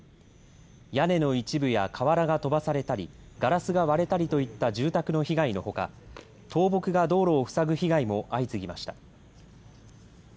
屋根の一部や瓦が飛ばされたりガラスが割れたりといった住宅の被害のほか倒木が道路を塞ぐ被害も相次ぎました。